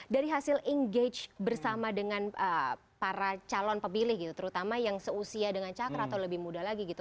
dari hasil engage bersama dengan para calon pemilih gitu terutama yang seusia dengan cakra atau lebih muda lagi gitu